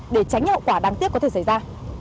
để tránh hậu quả đáng tiếc có thể xảy ra